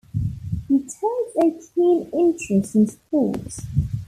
He takes a keen interest in sports.